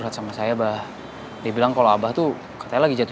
ya supaya dia tidak marah lagi sama kamu